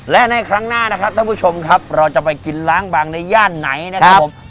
และในครั้งหน้านะครับท่านผู้ชมครับเราจะไปกินล้างบางในย่านไหนนะครับผม